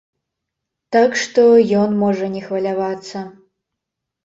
Так што ён можа не хвалявацца.